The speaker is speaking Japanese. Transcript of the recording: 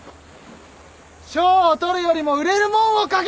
賞を取るよりも売れるもんを書け！